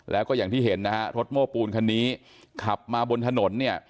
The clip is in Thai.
แล้วก็อย่างที่เห็นนะฮะรถโม้ปูนคันนี้ขับมาบนถนนเนี่ย